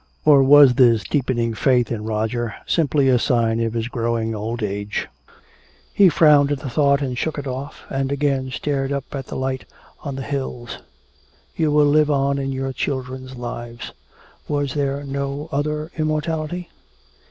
Or was this deepening faith in Roger simply a sign of his growing old age? He frowned at the thought and shook it off, and again stared up at the light on the hills. "You will live on in our children's lives." Was there no other immortality?